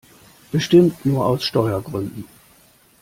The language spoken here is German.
Bestimmt nur aus Steuergründen!